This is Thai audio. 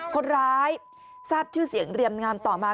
คนร้ายทราบชื่อเสียงเรียมงามต่อมา